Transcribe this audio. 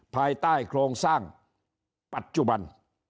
ภายใต้โครงสร้างปัจจุบัน